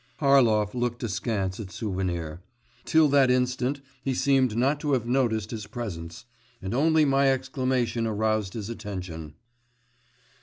Harlov looked askance at Souvenir. Till that instant he seemed not to have noticed his presence, and only my exclamation aroused his attention.